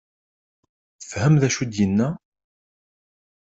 Tfehmem d acu i d-yenna?